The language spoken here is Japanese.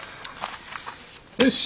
よし。